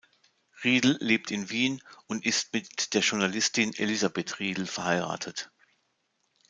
Riedl lebt in Wien und ist mit der Journalistin Elisabeth Riedl verheiratet.